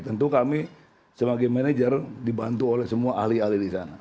tentu kami sebagai manajer dibantu oleh semua ahli ahli di sana